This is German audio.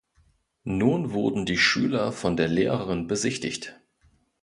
Nun wurden die Schüler von der Lehrerin besichtigt.